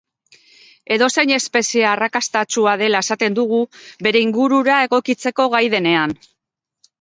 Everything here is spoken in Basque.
Edozein espezie arrakastatsua dela esaten dugu bere ingurura egokitzeko gai denean.